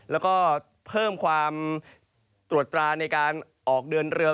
แล้วก็เพิ่มความตรวจตราในการออกเดินเรือ